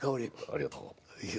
ありがとう。